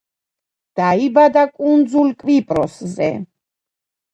დაიბადა კუნძულ კვიპროსზე.